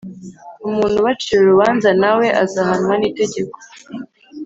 umuntu ubacira urubanza nawe azahanwa n’itegeko